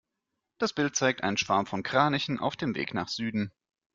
Das Bild zeigt einen Schwarm von Kranichen auf dem Weg nach Süden.